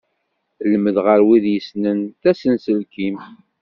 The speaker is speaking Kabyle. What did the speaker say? Lmed ɣer wid yessnen tasenselkimt.